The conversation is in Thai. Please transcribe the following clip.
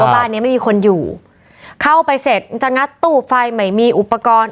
บ้านเนี้ยไม่มีคนอยู่เข้าไปเสร็จจะงัดตู้ไฟไม่มีอุปกรณ์